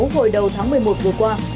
hồi đầu tháng một mươi một vừa qua